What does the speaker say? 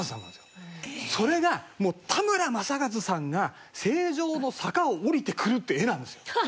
それがもう田村正和さんが成城の坂を下りてくるっていう絵なんですよ。